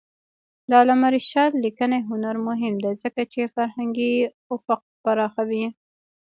د علامه رشاد لیکنی هنر مهم دی ځکه چې فرهنګي افق پراخوي.